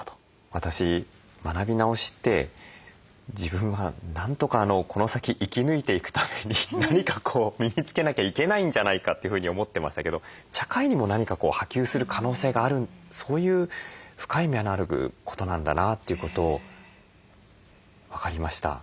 私学び直しって自分はなんとかこの先生き抜いていくために何か身につけなきゃいけないんじゃないかというふうに思ってましたけど社会にも何か波及する可能性があるそういう深い意味のあることなんだなということを分かりました。